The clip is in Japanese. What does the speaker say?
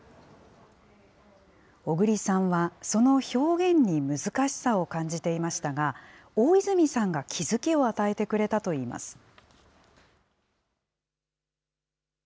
小栗さんは、その表現に難しさを感じていましたが、大泉さんが気付きを与えてくれたといます。